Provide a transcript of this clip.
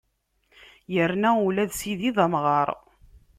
Yerna ula d Sidi d amɣar!